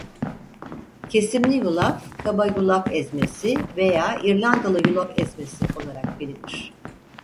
Kesimli yulaf "kaba yulaf ezmesi" veya "İrlandalı yulaf ezmesi" olarak bilinir.